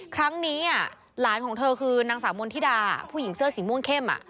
ครั้งนี้หลานของเธอคือนางสาวมณฑิดาผู้หญิงเสื้อสีม่วงเข้ม